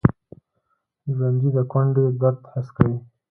ژوندي د کونډې درد حس کوي